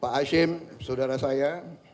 pak hashim saudara saya